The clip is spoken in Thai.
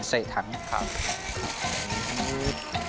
ถ้าเป็นไร้ก้างก็ทำเหมือนกันทำเหมือนกันแล้วมันจูดเสียถัง